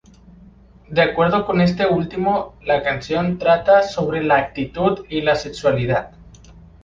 De acuerdo con este último, la canción trata sobre la actitud y la sexualidad.